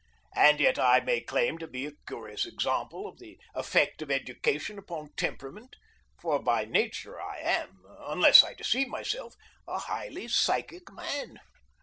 And yet I may claim to be a curious example of the effect of education upon temperament, for by nature I am, unless I deceive myself, a highly psychic man.